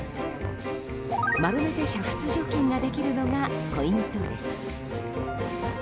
丸めて煮沸除菌ができるのがポイントです。